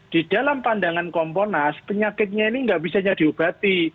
di dalam pandangan komporas penyakitnya ini nggak bisanya diubati